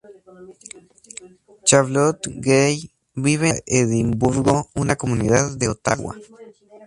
Charlotte Gray vive en Nueva Edimburgo, una comunidad de Ottawa.